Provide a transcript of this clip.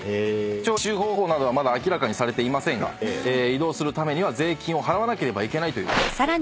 徴収方法などはまだ明らかにされていませんが移動するためには税金を払わなければいけないという国民の。